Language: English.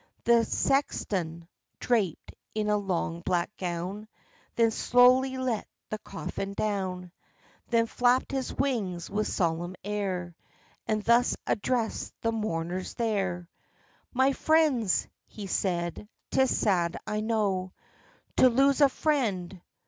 The sexton, draped in a long, black gown, Then slowly let the coffin down; OF CHANTICLEER. 95 Then flapped his wings with solemn air, And thus addressed the mourners there: "My friends," he said, "'tis sad, I know, To lose a friend!